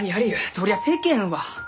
そりゃあ世間は！